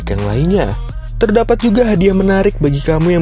karena beberapa merchandise kita banyak sekali yang